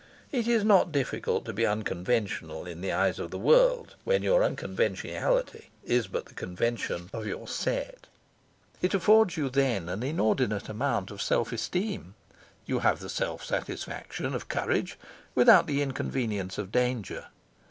It is not difficult to be unconventional in the eyes of the world when your unconventionality is but the convention of your set. It affords you then an inordinate amount of self esteem. You have the self satisfaction of courage without the inconvenience of danger.